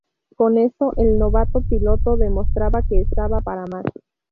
Con esto, el novato piloto demostraba que estaba para más.